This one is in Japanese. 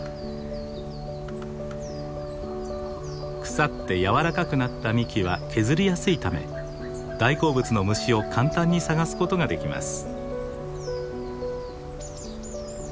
腐って柔らかくなった幹は削りやすいため大好物の虫を簡単に探すことができます。